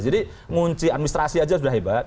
jadi ngunci administrasi aja sudah hebat